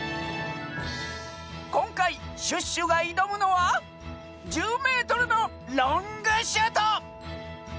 こんかいシュッシュがいどむのは１０メートルのロングシュート！